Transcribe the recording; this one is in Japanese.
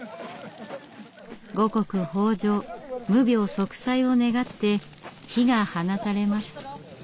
五穀豊穣無病息災を願って火が放たれます。